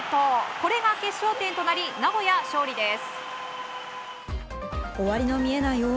これが決勝点になり名古屋勝利です。